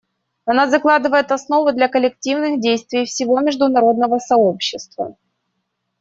Она закладывает основу для коллективных действий всего международного сообщества.